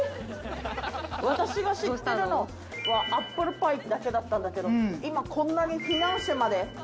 私が知ってるのはアップルパイだけだったんだけど、今こんなにフィナンシェまで。